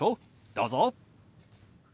どうぞ。